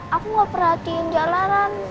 aku gak perhatiin jalanan